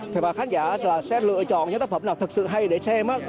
thì bà khán giả sẽ lựa chọn những tác phẩm nào thật sự hay để xem